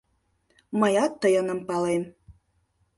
Мыят тыйыным палем.